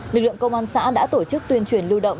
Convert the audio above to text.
lực lượng công an xã đã tổ chức tuyên truyền lưu động